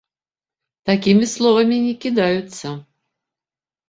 Такімі словамі не кідаюцца.